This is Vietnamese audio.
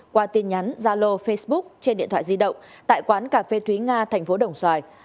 qua tin nhắn gia lô facebook trên điện thoại di động tại quán cà phê thúy nga thành phố đồng xoài